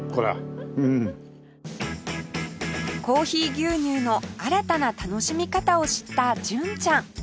コーヒー牛乳の新たな楽しみ方を知った純ちゃん